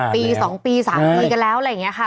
ปี๒ปี๓ปีกันแล้วอะไรอย่างนี้ค่ะ